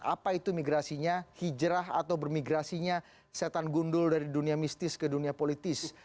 apa itu migrasinya hijrah atau bermigrasinya setan gundul dari dunia mistis ke dunia politis